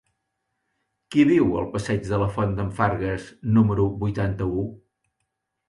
Qui viu al passeig de la Font d'en Fargues número vuitanta-u?